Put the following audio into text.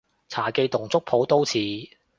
茶記同粥舖都似